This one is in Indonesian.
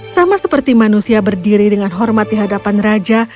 sama seperti manusia berdiri dengan hormat di hadapan raja